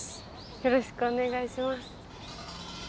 よろしくお願いします